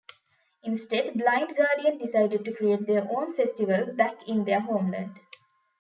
Instead, Blind Guardian decided to create their own festival, back in their homeland.